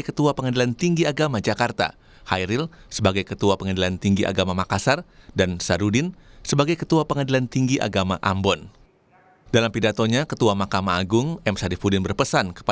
enam ketua pengadilan tinggi agama yang dilantik antara lain